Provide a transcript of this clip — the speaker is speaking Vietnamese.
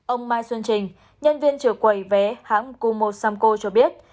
ông mai xuân trình nhân viên trực quầy vé hãng kumo samco cho biết